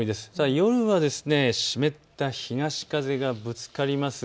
夜は湿った東風がぶつかります。